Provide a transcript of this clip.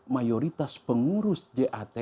mayoritas pengurus jat